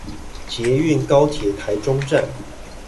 捷運高鐵臺中站